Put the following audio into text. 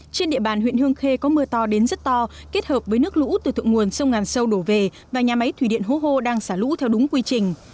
trên địa bàn huyện hương khê có mưa to đến rất to kết hợp với nước lũ từ thượng nguồn sông ngàn sâu đổ về và nhà máy thủy điện hố hô đang xả lũ theo đúng quy trình